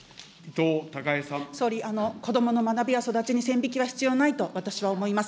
総理、子どもの学びや育ちに線引きは必要ないと私は思います。